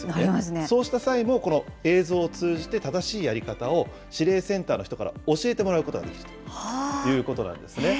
そうした際も、この映像を通じて、正しいやり方を指令センターの人から教えてもらうことができるということなんですね。